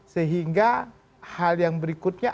sehingga hal yang berikutnya